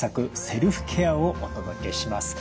セルフケアをお届けします。